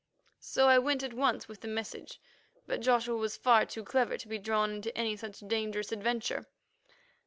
So I went at once with the message. But Joshua was far too clever to be drawn into any such dangerous adventure.